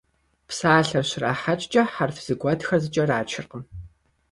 Псалъэр щрахьэкӀкӀэ хьэрф зэгуэтхэр зэкӀэрачыркъым.